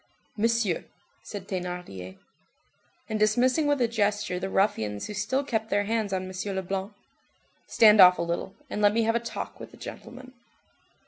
"Monsieur—" said Thénardier. And dismissing with a gesture the ruffians who still kept their hands on M. Leblanc:— "Stand off a little, and let me have a talk with the gentleman."